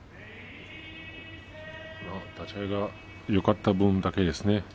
立ち合いがよかった分だけですね。